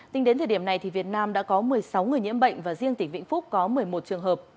tính đến thời điểm này việt nam đã có một mươi sáu người nhiễm bệnh và riêng tỉnh vĩnh phúc có một mươi một trường hợp